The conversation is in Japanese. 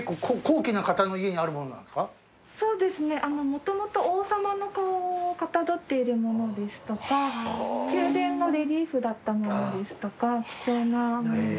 もともと王様の顔をかたどっているものですとか宮殿のレリーフだったものですとか貴重な。